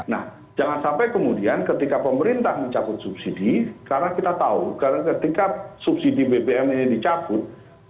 nah jangan sampai kemudian ketika pemerintah mencabut subsidi karena kita tahu ketika subsidi bbm ini dicabut